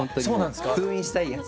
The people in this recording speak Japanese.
封印したいやつ。